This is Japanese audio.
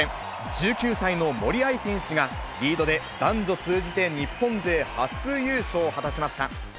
１９歳の森秋彩選手が、リードで男女通じて日本勢初優勝を果たしました。